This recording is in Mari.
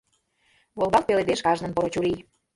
Волгалт пеледеш кажнын поро чурий: